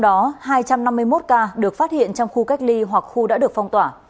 trong đó hai trăm năm mươi một ca được phát hiện trong khu cách ly hoặc khu đã được phong tỏa